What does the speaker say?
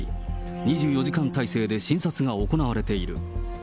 ２４時間態勢で診察が行われている。